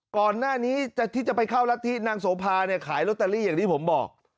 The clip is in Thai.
ก่อนที่จะไปเข้ารัฐธินางโสภาเนี่ยขายลอตเตอรี่อย่างที่ผมบอก